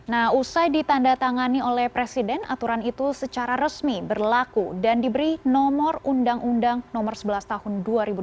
nah usai ditanda tangani oleh presiden aturan itu secara resmi berlaku dan diberi nomor undang undang nomor sebelas tahun dua ribu dua puluh